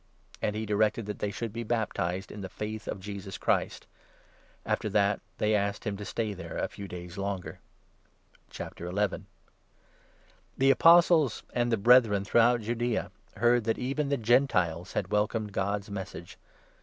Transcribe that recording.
" And he directed that they should be baptized in the Faith of 48 Jesus Christ ; after which they asked him to stay there a few days longer. The Apostles and the Brethren throughout i or Judaea heard that even the Gentiles had wel HiB Action, corned God's Message.